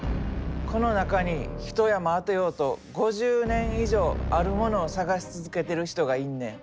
この中に一山当てようと５０年以上あるものを探し続けてる人がいんねん。